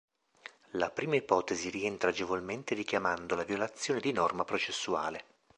La prima ipotesi rientra agevolmente richiamando la violazione di norma processuale.